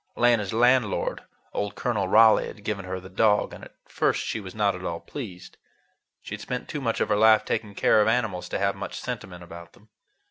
Lena's landlord, old Colonel Raleigh, had given her the dog, and at first she was not at all pleased. She had spent too much of her life taking care of animals to have much sentiment about them.